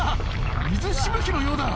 水しぶきのようだ。